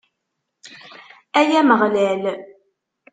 Ay Ameɣlal!